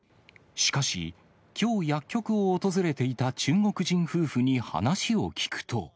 しかし、きょう薬局を訪れていた中国人夫婦に話を聞くと。